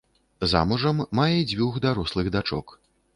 Замужам, мае дзвюх дарослых дачок.